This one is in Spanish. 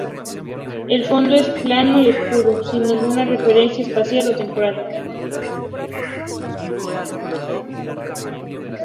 El fondo es plano y oscuro, sin ninguna referencia espacial o temporal.